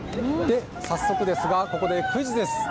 早速ですが、ここでクイズです。